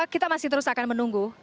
kita masih terus akan menunggu